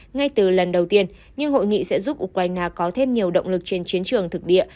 ngay từ lần đầu tiên nhưng hội nghị sẽ giúp ukraine có thêm nhiều động lực trên chiến trường thực địa